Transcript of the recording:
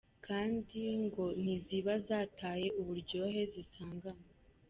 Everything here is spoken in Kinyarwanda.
Kandi ngo ntiziba zataye uburyohe zisanganywe.